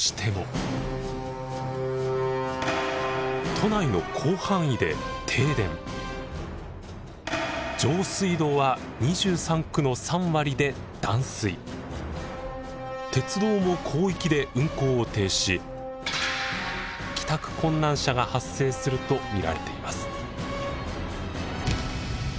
都内の広範囲で上水道は２３区の３割で鉄道も広域で運行を停止し帰宅困難者が発生すると見られています。